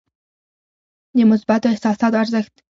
د مثبتو احساساتو ارزښت.